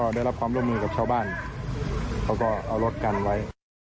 ได้รับความร่วมมือกับชาวบ้านเขาก็เอารถกันไว้